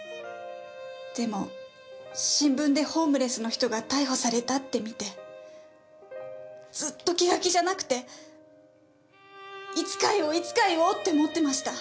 でも新聞でホームレスの人が逮捕されたって見てずっと気が気じゃなくていつか言おういつか言おうって思ってました。